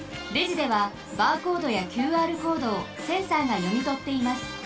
レジではバーコードやＱＲコードをセンサーがよみとっています。